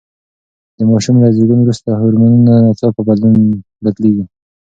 د ماشوم له زېږون وروسته هورمونونه ناڅاپي بدلیږي.